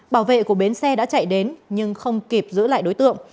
bảo vệ của bến xe đã chạy đến nhưng không kịp giữ lại đối tượng